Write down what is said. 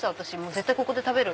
絶対ここで食べる。